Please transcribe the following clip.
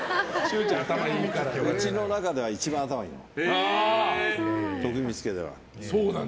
うちの中では一番頭いいの徳光家では。